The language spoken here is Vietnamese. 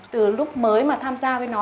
từ lúc mới mà tham gia với nó